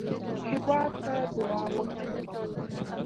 هېواد ته دعا وکړئ